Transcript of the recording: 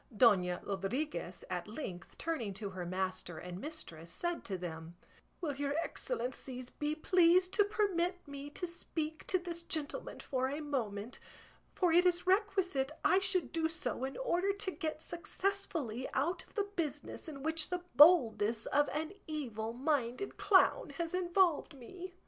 Dona Rodriguez, at length, turning to her master and mistress said to them, "Will your excellences be pleased to permit me to speak to this gentleman for a moment, for it is requisite I should do so in order to get successfully out of the business in which the boldness of an evil minded clown has involved me?"